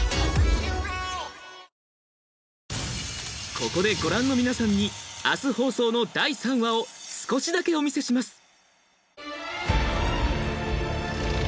ここでご覧の皆さんに明日放送の第３話を少しだけお見せしますとは？